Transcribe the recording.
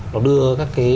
nó đưa các cái